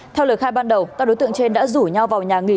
theo lời khai ban đầu các đối tượng trên đã rủ nhau vào nhà nghỉ